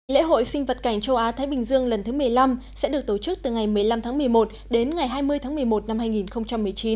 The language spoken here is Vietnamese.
lễ hội sinh vật cảnh châu á thái bình dương lần thứ một mươi năm sẽ được tổ chức từ ngày một mươi năm tháng một mươi một đến ngày hai mươi tháng một mươi một năm hai nghìn một mươi chín